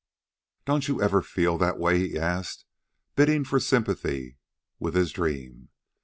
"Don't you ever feel that way?" he asked, bidding for sympathy with his dream.